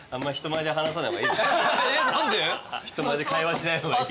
人前で会話しない方がいい。